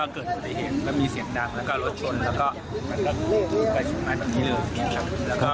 เกิดเหตุซะก่อนครับ